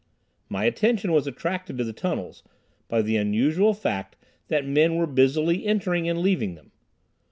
My attention was attracted to the tunnels by the unusual fact that men were busily entering and leaving them.